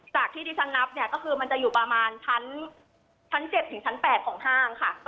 จากที่ที่ฉันนับเนี่ยก็คือมันจะอยู่ประมาณชั้น๗ถึงชั้น๘ของห้างค่ะ